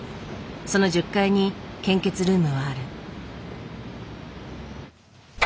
その１０階に献血ルームはある。